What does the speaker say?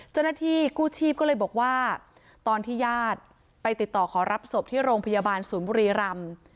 เจ้าหน้าที่กู้ชีพก็เลยบอกว่าตอนที่ญาติไปติดต่อขอรับศพที่โรงพยาบาลศูนย์บุรีรำ